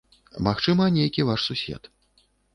Магчыма, нейкі ваш сусед.